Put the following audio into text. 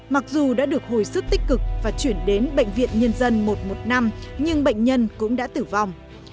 mặc dù đã được hồi sức tích cực và chuyển đến bệnh viện nhân dân một một năm nhưng bệnh nhân cũng đã tử vong